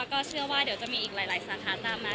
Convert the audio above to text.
ก็เชื่อว่าเดี๋ยวจะมีอีกหลายสาขาตามมา